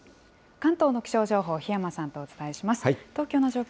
関東の気象情報、檜山さんとお伝えします。